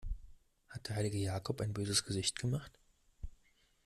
Hat der heilige Jakob ein böses Gesicht gemacht?